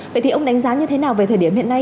vậy thì ông đánh giá như thế nào về thời điểm hiện nay